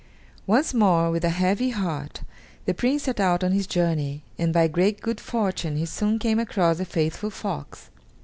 Once more, with a heavy heart, the Prince set out on his journey, and by great good fortune he soon came across the faithful fox.